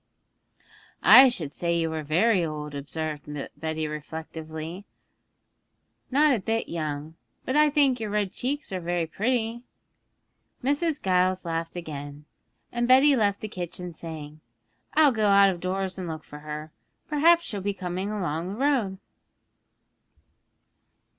'I should say you were very old,' observed Betty reflectively, 'not a bit young; but I think your red cheeks are very pretty.' Mrs. Giles laughed again, and Betty left the kitchen saying, 'I'll go out of doors and look for her; perhaps she'll be coming along the road.'